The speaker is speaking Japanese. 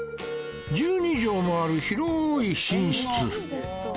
１２畳もある広い寝室